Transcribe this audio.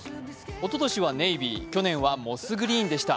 おととしはネイビー去年はモスグリーンでした。